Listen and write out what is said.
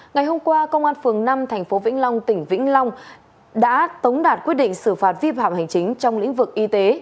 ngày hôm qua công an phường năm tp vĩnh long tỉnh vĩnh long đã tống đạt quyết định xử phạt vi phạm hành chính trong lĩnh vực y tế